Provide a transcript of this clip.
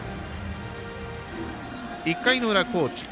１回の裏、高知。